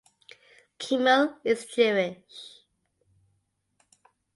Kimmel is Jewish.